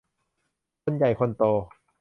คนใหญ่คนโต